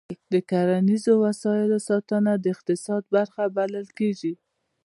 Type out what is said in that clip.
د کرنیزو وسایلو ساتنه د اقتصاد برخه بلل کېږي.